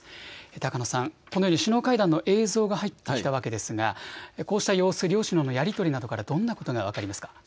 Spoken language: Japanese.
高野さん、このように首脳会談の映像が入ってきたわけですがこうした様子、両首脳のやり取りなどからどんなことが分かりますか。